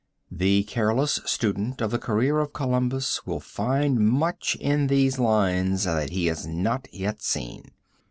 The careless student of the career of Columbus will find much in these lines that he has not yet seen.